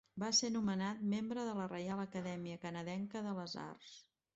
Va ser nomenat membre de la Reial Acadèmia Canadenca de les Arts.